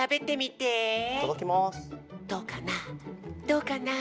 どうかな？